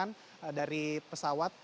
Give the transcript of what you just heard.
untuk berangkatan dari pesawat